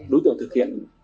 đối tượng thực hiện